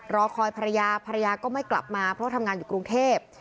รอคอยภรรยาภรรยาก็ไม่กลับมาเพราะทำงานอยู่กรุงเทพ